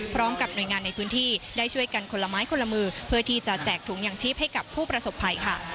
พร้อมกับหน่วยงานในพื้นที่ได้ช่วยกันคนละไม้คนละมือเพื่อที่จะแจกถุงอย่างชีพให้กับผู้ประสบภัยค่ะ